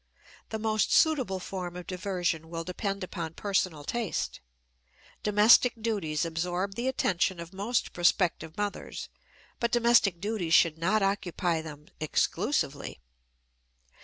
The most suitable form of diversion will depend upon personal taste. Domestic duties absorb the attention of most prospective mothers, but domestic duties should not occupy them exclusively.